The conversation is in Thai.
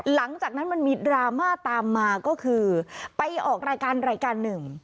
หลังจากนั้นมันมีดราม่าตามมาก็คือไปออกรายการรายการหนึ่ง